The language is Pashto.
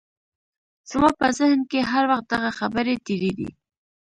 زما په ذهن کې هر وخت دغه خبرې تېرېدې.